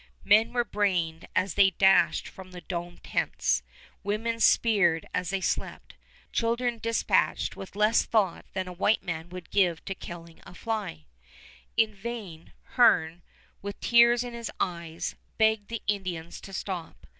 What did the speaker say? Men were brained as they dashed from the domed tents, women speared as they slept, children dispatched with less thought than the white man would give to the killing of a fly. In vain Hearne, with tears in his eyes, begged the Indians to stop.